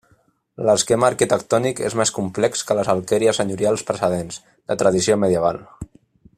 L'esquema arquitectònic és més complex que les alqueries senyorials precedents, de tradició medieval.